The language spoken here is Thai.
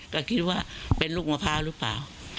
ก็คิดว่าเป็นลูกมะพร้าวหรือเปล่า